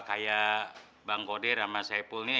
kayak bang kodir sama saipul nih